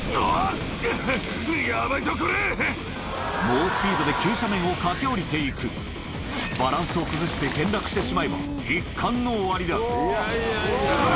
猛スピードで急斜面を駆け降りて行くバランスを崩して転落してしまえば一巻の終わりだうわ！